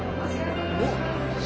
おっ！